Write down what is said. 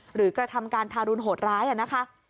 กระทำการทารุณโหดร้ายนะคะ